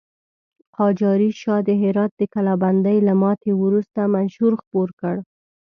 قاجاري شاه د هرات د کلابندۍ له ماتې وروسته منشور خپور کړ.